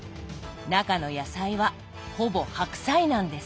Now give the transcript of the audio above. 中の野菜はほぼ白菜なんです。